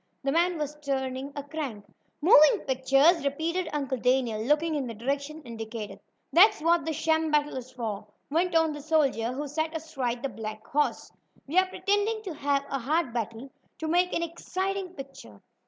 The man was turning a crank. "Moving pictures!" repeated Uncle Daniel, looking in the direction indicated. "That's what this sham battle is for," went on the soldier who sat astride the black horse. "We are pretending to have a hard battle, to make an exciting picture.